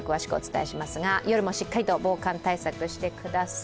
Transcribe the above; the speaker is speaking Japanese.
夜も、しっかりと防寒対策してください。